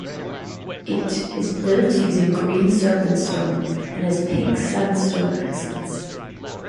It is built using green serpentine stone and has pink sandstone accents.